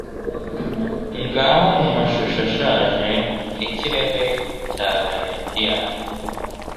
Ngaho mumashusho ashaje ikirere cya Venetiya